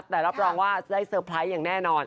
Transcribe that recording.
แต่รับรองว่าได้เซอร์ไพรส์อย่างแน่นอน